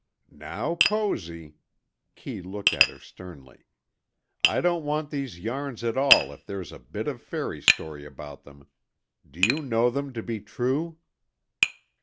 "Now, Posy," Kee looked at her sternly, "I don't want these yarns at all if there's a bit of fairy story about them. Do you know them to be true?"